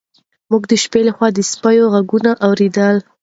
موږ د شپې لخوا د سپیو غږونه اورېدل.